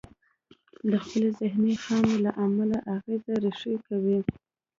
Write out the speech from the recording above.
د خپلې ذهني خامي له امله اغېز ريښې کوي.